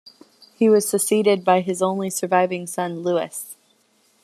He was succeeded by his only surviving son Louis.